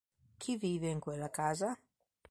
Chi vive in quella casa?